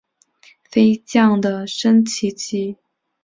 飞将的升级棋。